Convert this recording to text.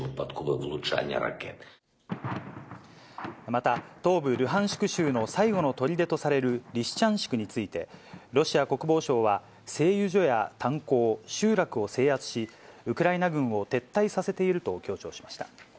また、東部ルハンシク州の最後の砦とされるリシチャンシクについて、ロシア国防省は、製油所や炭鉱、集落を制圧し、ウクライナ軍を撤退させていると強調しました。